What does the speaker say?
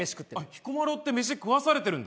彦摩呂ってメシ食わされてるんだ？